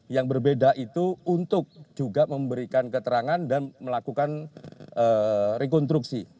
yang berbeda itu untuk juga memberikan keterangan dan melakukan rekonstruksi